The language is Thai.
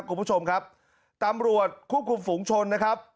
คุณผู้ชมครับตำรวจควบคุมฝูงชนนะครับ